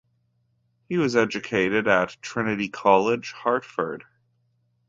He was educated at Trinity College, Hartford.